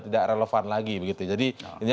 tidak relevan lagi begitu jadi ini